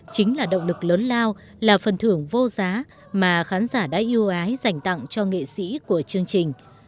chính là động lực lớn lao là phần thưởng vô giá mà khán giả đã yêu ái dành tặng cho nghệ sĩ của chương trình